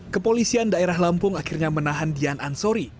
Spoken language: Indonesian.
kepolisian daerah lampung akhirnya menahan dian ansori